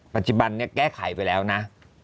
ปัจจุบันนี้แก้ไขไปแล้วนะ